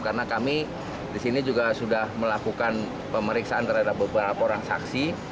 karena kami di sini juga sudah melakukan pemeriksaan terhadap beberapa orang saksi